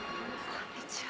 こんにちは。